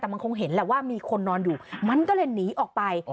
แต่มันคงเห็นแหละว่ามีคนนอนอยู่มันก็เลยหนีออกไป